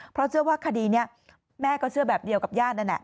เพราะเชื่อว่าคดีนี้แม่ก็เชื่อแบบเดียวกับญาตินั่นแหละ